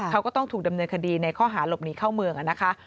เขาก็ต้องถูกดำเนินคดีในข้อหาหลบหนีเข้าเมืองนะคะ